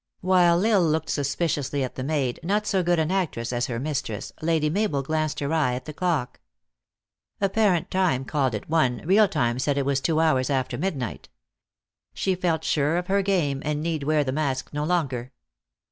While L Isle looked suspiciously at the rnaid, not so good an actress as her mistress, Lady Mabel glanced her eye at the clock. Apparent time called it one, real time said it was two hours after midnight. She felt sure of her game, and need wear the mask no longer.